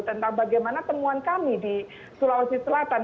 tentang bagaimana temuan kami di sulawesi selatan